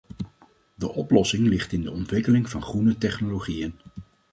De oplossing ligt in de ontwikkeling van groene technologieën.